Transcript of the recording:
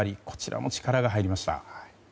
こちらも力が入りました。